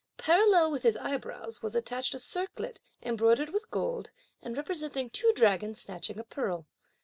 Parallel with his eyebrows was attached a circlet, embroidered with gold, and representing two dragons snatching a pearl.